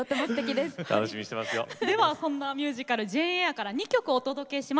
ではそんなミュージカル「ジェーン・エア」から２曲お届けします。